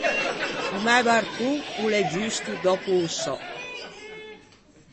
O mæ barcon o l’é giusto dòppo o sò.